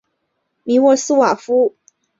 米沃斯瓦夫是波兰的一座城市。